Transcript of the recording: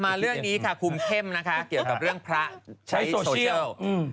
เรื่องนี้ค่ะคุมเข้มนะคะเกี่ยวกับเรื่องพระใช้โซเชียลอืม